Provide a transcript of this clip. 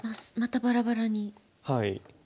またバラバラに。